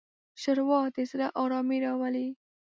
ښوروا د زړه ارامي راولي.